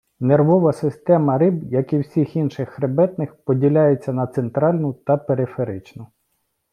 Нервова система риб, як і всіх інших хребетних, поділяється на центральну та периферичну.